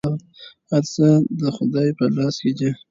هر څه د خدای په لاس کې دي.